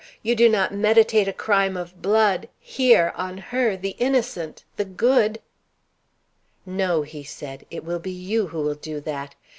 You do not meditate a crime of blood here on her the innocent the good " "No," he said; "it will be you who will do that.